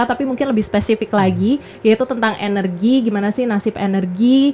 tapi mungkin lebih spesifik lagi yaitu tentang energi gimana sih nasib energi